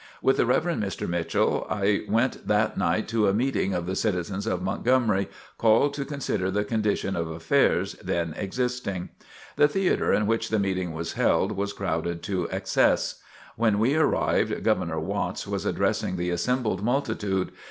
With the Rev. Mr. Mitchell, I went that night to a meeting of the citizens of Montgomery, called to consider the condition of affairs then existing. The theater in which the meeting was held, was crowded to excess. When we arrived, Governor Watts was addressing the assembled multitude.